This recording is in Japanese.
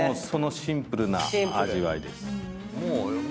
シンプルな味わいです。